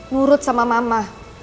nurut sama mama